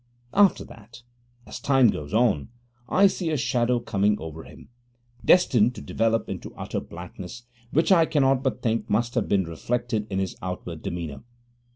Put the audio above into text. After that, as time goes on, I see a shadow coming over him destined to develop into utter blackness which I cannot but think must have been reflected in his outward demeanour.